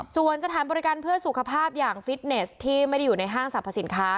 ส่วนสถานบริการเพื่อสุขภาพอย่างฟิตเนสที่ไม่ได้อยู่ในห้างสรรพสินค้า